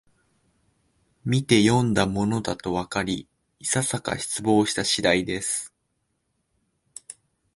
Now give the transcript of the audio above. みてよんだものだとわかり、いささか失望した次第です